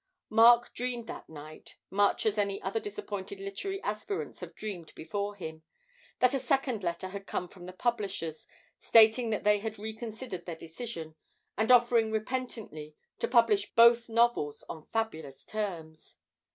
Mark dreamed that night much as other disappointed literary aspirants have dreamed before him that a second letter had come from the publishers, stating that they had reconsidered their decision, and offering repentantly to publish both novels on fabulous terms.